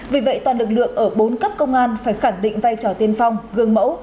vì vậy toàn lực lượng ở bốn cấp công an phải khẳng định vai trò tiên phong gương mẫu